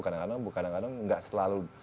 kan nggak selalu